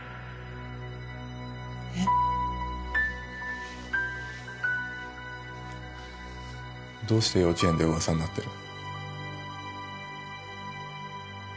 えっ？どうして幼稚園で噂になってる？